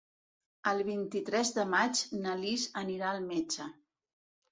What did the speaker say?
El vint-i-tres de maig na Lis anirà al metge.